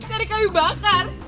cari kayu bakar